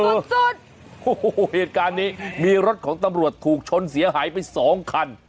สุดโอ้โหเหตุการณ์นี้มีรถของตำรวจถูกชนเสียหายไปสองคัน